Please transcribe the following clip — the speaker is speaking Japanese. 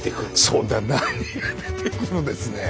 そうだから何が出てくるですね。